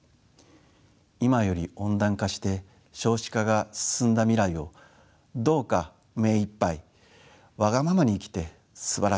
「今より温暖化して少子化が進んだ未来をどうか目いっぱいわがままに生きてすばらしい世界にしてください」。